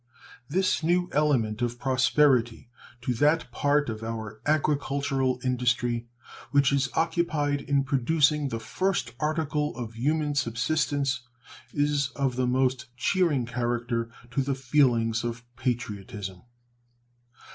This new element of prosperity to that part of our agricultural industry which is occupied in producing the first article of human subsistence is of the most cheering character to the feelings of patriotism.